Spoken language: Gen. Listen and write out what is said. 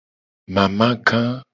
Mamaga.